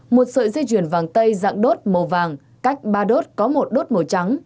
một sợi dây chuyền vàng tây dạng đốt màu vàng cách ba đốt có một đốt màu trắng